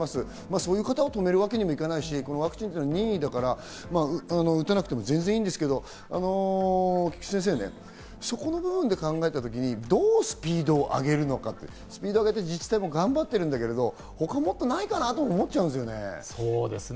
そういう方を止めるわけにもいかないし、このワクチンは任意だから打たなくても全然いいんですけど、菊地先生、そこの部分で考えた時、どうスピードを上げるのか、スピードを上げて自治体も頑張ってるんだけど、他にもっとないかなと思っちゃうんですよね。